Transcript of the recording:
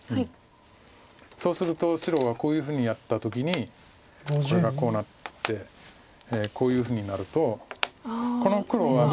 そうすると白はこういうふうにやった時にこれがこうなってこういうふうになるとこの黒は眼がないんです。